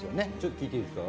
聞いていいですか？